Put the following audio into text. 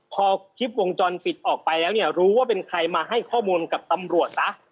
พอคลิปวงจรปิดออกไปแล้วเนี่ยรู้ว่าเป็นใครมาให้ข้อมูลกับตำรวจซะ